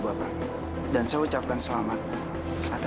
masa pokok denganku